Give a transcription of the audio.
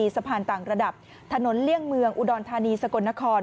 สะพานต่างระดับถนนเลี่ยงเมืองอุดรธานีสกลนคร